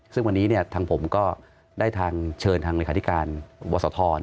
ซึ่งวันนี้ทางผมก็ได้ทางเชิญทางเหลือขาดิการบัวสะทอ